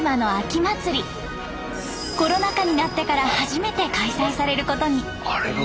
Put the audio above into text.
コロナ禍になってから初めて開催されることに。